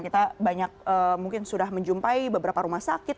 kita banyak mungkin sudah menjumpai beberapa rumah sakit